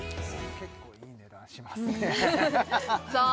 結構いい値段しますねさあ